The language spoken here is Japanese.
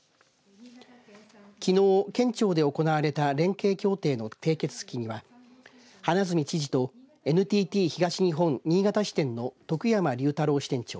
きのう県庁で行われた連携協定の締結式では花角知事とＮＴＴ東日本新潟支店の徳山隆太郎支店長